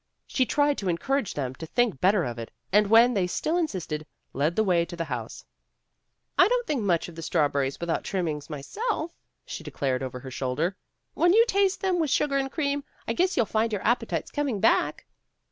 She tried to encourage them to think better of it, and when they still insisted, led the way to the house. "I don't think much of strawberries without trimmings, myself," she declared over her shoulder. "When you taste them with sugar and cream, I guess you'll find your ap petites coming back."